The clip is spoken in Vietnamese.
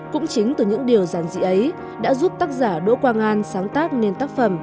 cũng chính từ những điều giản dị ấy đã giúp tác giả đỗ quang an sáng tác nên tác phẩm